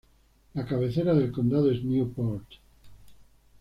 La cabecera del condado es Newport.